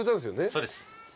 そうです。